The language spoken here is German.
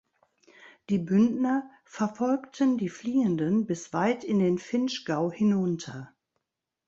Die Bündner verfolgten die Fliehenden bis weit in den Vinschgau hinunter.